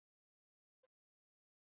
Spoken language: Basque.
Prozesua azkarra izango da.